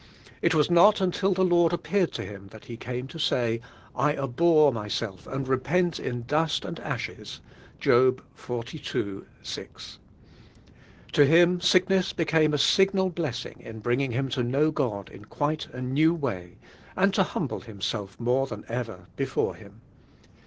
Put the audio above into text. It was not until the Lord appeared to him. lhal he came lo say, "I abhor myself and repent in dual ami ii sheSi" (.loii vlii, li). '|\i 111 tin sickness heeamr n signal blessing in lirtiigiutf him to know God in ijuile n new way, and to humble himself more than ever before Him.